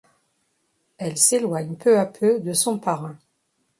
Elle s'éloigne peu à peu de son parrain.